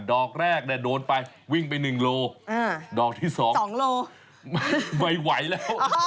ดอกแรกโดนไปวิ่งไปหนึ่งโลดอกที่สองไม่ไหวแล้ว